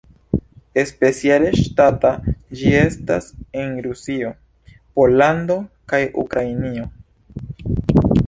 Speciale ŝtata ĝi estas en Rusio, Pollando kaj Ukrainio.